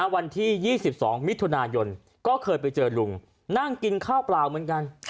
วันที่๒๒มิถุนายนก็เคยไปเจอลุงนั่งกินข้าวเปล่าเหมือนกัน